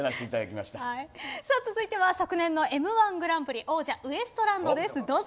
続いては昨年の「Ｍ‐１グランプリ」王者のウエストランドです、どうぞ。